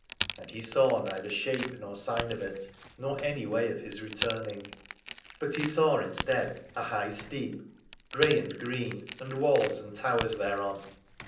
And he saw neither shape nor sign of it, nor any way of his returning : but he saw instead a high steep, grey and green, and walls and towers thereon.